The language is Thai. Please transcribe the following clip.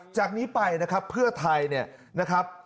จากนี้ไปนะครับเพื่อไทยเนี่ยนะครับ